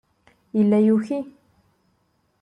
Yella yuki.